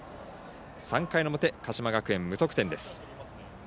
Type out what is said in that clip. ３回の表、鹿島学園、無得点です。